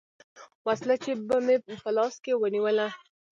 وسله چې به مې په لاس کښې ونېوله.